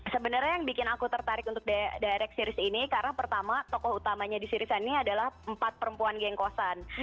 sebenarnya yang bikin aku tertarik untuk direct series ini karena pertama tokoh utamanya di series ini adalah empat perempuan gengkosan